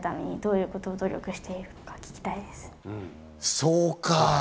そうか！